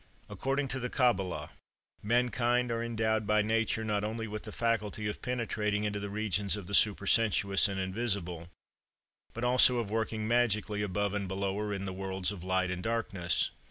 According to the Cabbalah, "Mankind are endowed by nature, not only with the faculty of penetrating into the regions of the supersensuous and invisible, but also of working magically above and below, or in the worlds of light and darkness.